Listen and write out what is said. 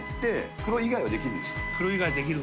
黒以外できる？